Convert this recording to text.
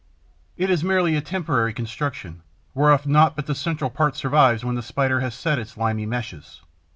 It is merely a temporary construction, whereof naught but the central part survives when the Spider has set its limy meshes.